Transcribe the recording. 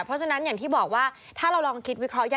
เพราะฉะนั้นอย่างที่บอกว่าถ้าเราลองคิดวิเคราะหยาก